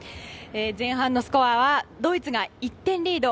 前半のスコアはドイツが１点リード。